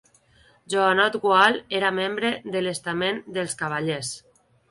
Joanot Gual era membre de l'estament dels cavallers.